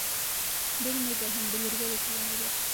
Белмәйҙәр һәм белергә лә теләмәйҙәр.